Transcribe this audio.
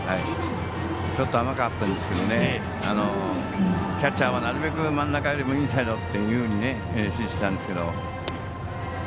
ちょっと甘かったんですがキャッチャーは、なるべく真ん中よりもインサイドっていうふうに指示していたんですけど。